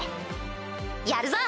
やるぞ！